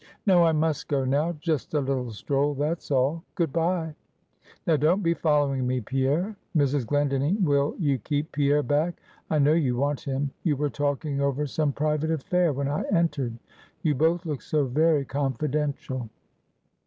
"No, I must go now; just a little stroll, that's all; good bye! Now don't be following me, Pierre. Mrs. Glendinning, will you keep Pierre back? I know you want him; you were talking over some private affair when I entered; you both looked so very confidential."